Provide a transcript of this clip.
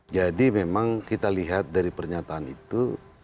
jadi memang kita lihat dari pernyataan itu